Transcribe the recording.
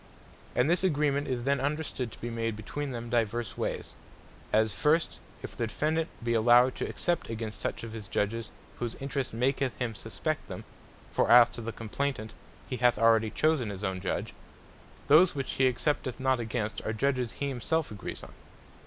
And this agreement is then understood to be made between them divers wayes; as first, if the Defendant be allowed to except against such of his Judges, whose interest maketh him suspect them, (for as to the Complaynant he hath already chosen his own Judge,) those which he excepteth not against, are Judges he himself agrees on.